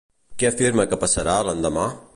Què afirma que passarà, l'endemà?